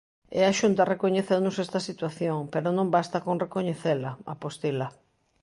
E a Xunta recoñeceunos esta situación, pero non basta con recoñecela, apostila.